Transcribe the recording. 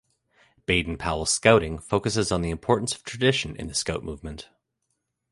Baden-Powell Scouting focuses on the importance of tradition in the Scout Movement.